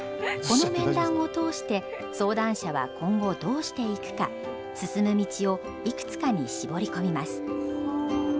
この面談を通して相談者は今後どうしていくか進む道をいくつかに絞り込みます。